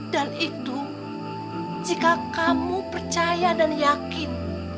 dan itu jika kamu percaya dan yakin